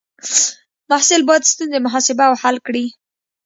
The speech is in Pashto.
محصل باید ستونزې محاسبه او حل کړي.